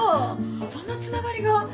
そんなつながりが。